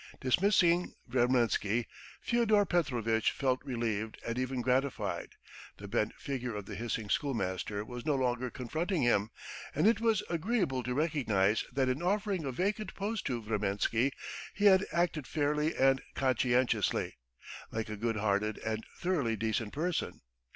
Dismissing Vremensky, Fyodor Petrovitch felt relieved and even gratified: the bent figure of the hissing schoolmaster was no longer confronting him, and it was agreeable to recognize that in offering a vacant post to Vremensky he had acted fairly and conscientiously, like a good hearted and thoroughly decent person.